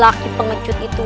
laki laki pengecut itu